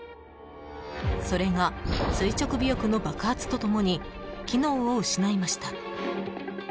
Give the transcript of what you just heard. それが垂直尾翼の爆発と共に機能を失いました。